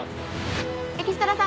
エキストラさん